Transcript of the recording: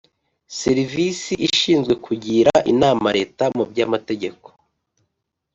Serivisi ishinzwe kugira inama Leta mu by amategeko